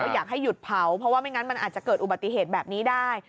อยากให้หยุดเผาเพราะว่าไม่งั้นมันอาจจะเกิดอุบัติเหตุแบบนี้ได้